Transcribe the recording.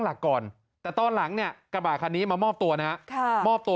หลักก่อนแต่ตอนหลังเนี่ยกระบะคันนี้มามอบตัวนะฮะค่ะมอบตัว